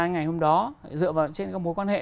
ngày hôm đó dựa vào trên mối quan hệ